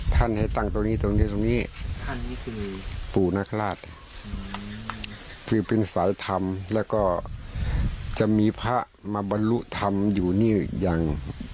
ท่านให้ตั้งตรงนี้ตรงนี้ตรงนี้คือปู่นักราชคือเป็นสายธรรมแล้วก็จะมีพระมาบรรลุธรรมอยู่นี่ยัง